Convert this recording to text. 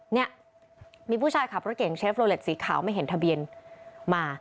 เนี่ยมีผู้ชายขับรถเก่งเชฟโลเล็ตสีขาวไม่เห็นทะเบียนมา